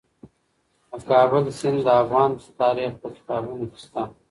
د کابل سیند د افغان تاریخ په کتابونو کې شته.